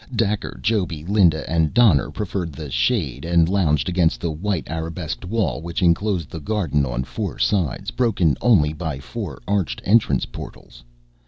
Daker, Joby, Linda and Donner preferred the shade, and lounged against the white arabesqued wall which enclosed the garden on four sides, broken only by four arched entrance portals.